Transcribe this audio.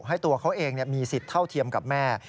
ให้ตัวเขาเองมีสิทธิ์เท่าเทียมกับแม่